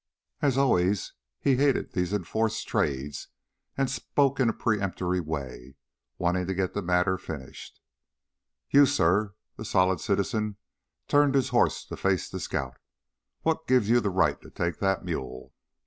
As always, he hated these enforced trades and spoke in a peremptory way, wanting to get the matter finished. "You, suh " the solid citizen turned his horse to face the scout "what gives you the right to take that mule?"